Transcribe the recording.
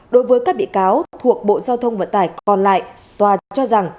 đối với các bị cáo thuộc bộ giao thông vận tải còn lại tòa cho rằng